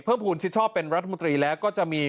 เพิ่มผูลชิดชอบเป็นรัฐมนตรีและก็จะมี